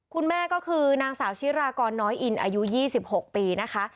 คุณแม่ก็คือนางสาวชิรากรน้อยอินอายุ๒๖ปีนะคะ